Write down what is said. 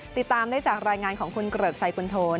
ติดตามได้จากรายงานของคุณเกริกชัยคุณโทน